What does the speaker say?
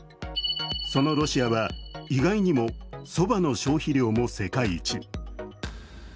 そのロシアは意外にもそばの消費量も世界一。